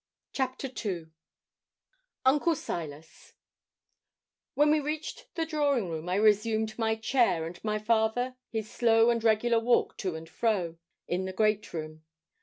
CHAPTER II UNCLE SILAS When we reached the drawing room, I resumed my chair, and my father his slow and regular walk to and fro, in the great room.